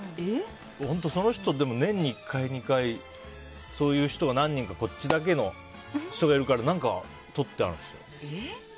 その人、でも年に１回２回そういう人を何人かこっちだけの人がいるからとってあるんですよ。